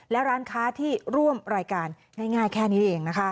และร้านค้าที่ร่วมรายการง่ายแค่นี้เองนะคะ